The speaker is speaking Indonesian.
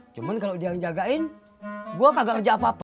cuma kalau dia yang jagain gue kagak kerja apa apa